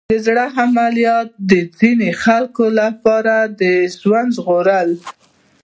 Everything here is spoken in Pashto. د زړه عملیات د ځینو خلکو لپاره ژوند ژغوري.